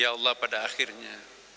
ya allah pada akhirnya